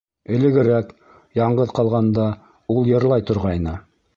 Элегерәк, яңғыҙ ҡалғанда, ул йырлай торғайны.